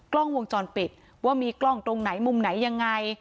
กล้องวงจรปิดว่ามีกล้องตรงไหนมุมไหนยังไง